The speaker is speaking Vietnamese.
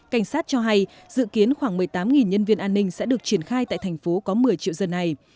cảnh sát cho hay dự kiến khoảng một mươi tám nhân viên an ninh sẽ được triển khai tại thành phố có một mươi triệu dân này